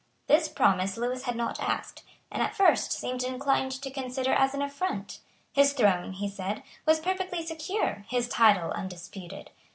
This promise Lewis had not asked, and at first seemed inclined to consider as an affront. His throne, he said, was perfectly secure, his title undisputed.